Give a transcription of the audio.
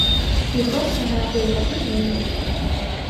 І грошай на яго ў разы меней.